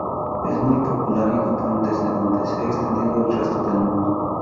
Es muy popular en Japón, desde donde se ha extendido al resto del mundo.